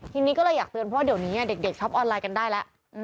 ทีนี้ก็เลยอยากเตือนเพราะว่าเดี๋ยวนี้เด็กช็อปออนไลน์กันได้แล้ว